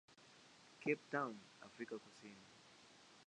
Cape Town, Afrika Kusini.